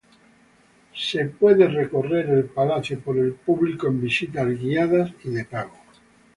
El palacio puede ser recorrido por el público en visitas guiadas y de pago.